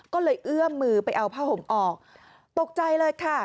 ก็เลยเอื้อมมือไปเอาผ้าห่มออกตกใจเลยค่ะ